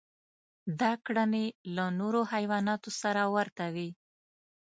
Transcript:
دا کړنې له نورو حیواناتو سره ورته وې.